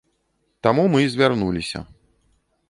Таму мы і звярнуліся.